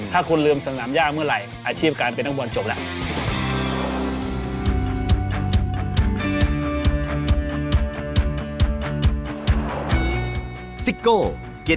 ถ้าคุณลืมสนามยากเมื่อไหร่อาชีพการเป็นนักบอลจบแล้ว